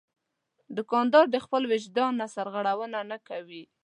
دوکاندار د خپل وجدان نه سرغړونه نه کوي.